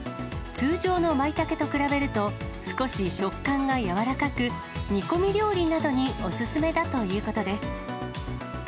通常のまいたけと比べると、少し食感が軟らかく、煮込み料理などにお勧めだということです。